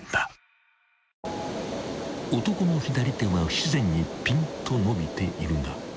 ［男の左手は不自然にぴんと伸びているが］